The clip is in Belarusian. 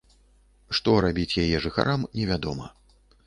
Што рабіць яе жыхарам, невядома.